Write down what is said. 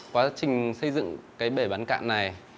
quá trình xây dựng cái bể bán cạn này